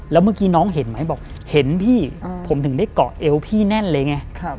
แล้วเมื่อกี้น้องเห็นไหมบอกเห็นพี่ผมถึงได้เกาะเอวพี่แน่นเลยไง